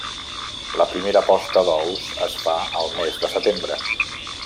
La primera posta d'ous es fa el mes de setembre.